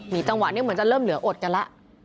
มีจังหวะเนี่ยเหมือนจะเริ่มเหลืออดกันละ